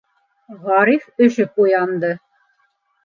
Ғариф өшөп уянды.